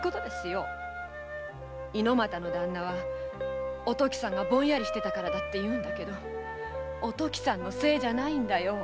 猪股のだんなはおときさんがボンヤリしてたからだと言うけどおときさんのせいじゃないんだよ。